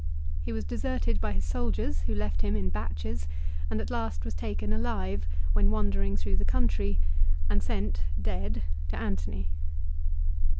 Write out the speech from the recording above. He was deserted by his soldiers who left him in batches, and at last was taken alive, when wandering through the country, and sent, dead, to Antony.